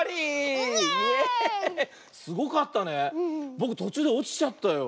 ぼくとちゅうでおちちゃったよ。